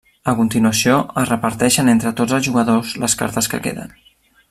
A continuació es reparteixen entre tots els jugadors les cartes que queden.